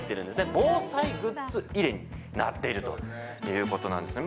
防災グッズ入れになっているということなんですね。